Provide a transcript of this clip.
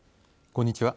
こんにちは。